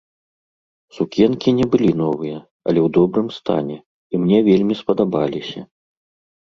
Сукенкі не былі новыя, але ў добрым стане, і мне вельмі спадабаліся.